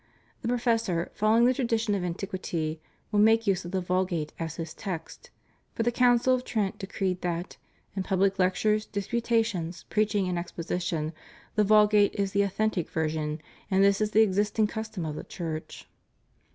The professor, following the tradition of antiquity, will make use of the Vulgate as his text; for the Council of Trent decreed that *'in pubhc lectures, disputations, preaching, and exposition," ^ the Vulgate is the "authentic" version; and this is the existing custom of the Church.